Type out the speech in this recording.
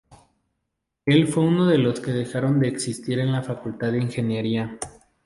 Él fue uno de los que dejaron de existir en la Facultad de Ingeniería.